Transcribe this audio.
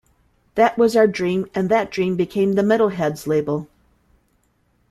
That was our dream and that dream became the Metalheadz label.